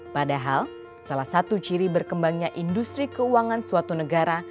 padahal salah satu ciri berkembangnya industri keuangan suatu negara